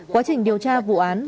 quá trình điều tra vụ án